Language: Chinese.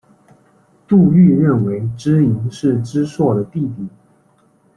杜预认为知盈是知朔的弟弟。